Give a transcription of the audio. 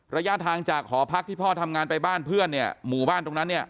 ระยะทางจากหอพักที่พ่อทำงานไปบ้านเพื่อนเนี่ยหมู่บ้านตรงนั้นเนี่ย